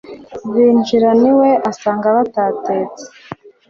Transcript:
Binjirana iwe asanga batatetse